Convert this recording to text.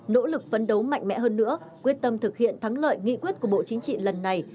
nỗ lực phấn đấu mạnh mẽ hơn nữa quyết tâm thực hiện thắng lợi nghị quyết của bộ chính trị lần này